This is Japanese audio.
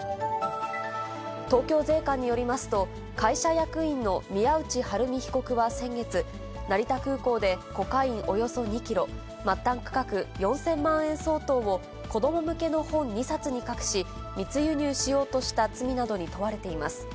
東京税関によりますと、会社役員の宮内春美被告は先月、成田空港で、コカインおよそ２キロ、末端価格４０００万円相当を子ども向けの本２冊に隠し、密輸入しようとした罪などに問われています。